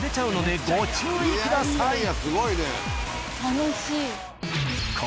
楽しい。